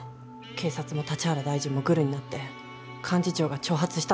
警察も立原大臣もグルになって幹事長が挑発したのかばってるんだから。